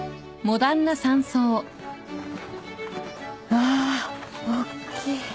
わぁおっきい。